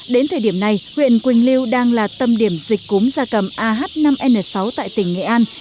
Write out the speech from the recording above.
đến thời điểm này huyện quỳnh lưu đang là tâm điểm dịch cúm gia cầm ah năm n sáu tại tỉnh nghệ an